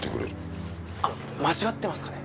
あの間違ってますかね？